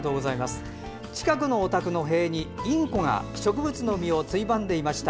近くのお宅の塀で、インコが植物の実をついばんでいました。